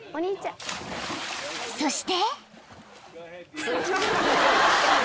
［そして］